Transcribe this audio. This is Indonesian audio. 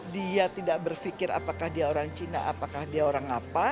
dia tidak berpikir apakah dia orang cina apakah dia orang apa